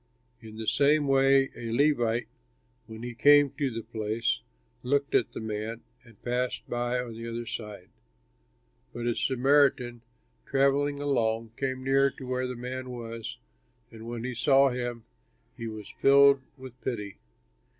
"In the same way a Levite, when he came to the place, looked at the man and passed by on the other side. But a Samaritan, travelling along, came near to where the man was, and when he saw him he was filled with pity.